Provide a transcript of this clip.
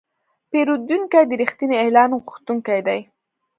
پیرودونکی د رښتیني اعلان غوښتونکی دی.